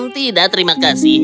tidak terima kasih